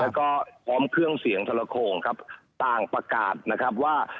แล้วก็พร้อมเครื่องเสียงทรโขงครับต่างประกาศนะครับว่า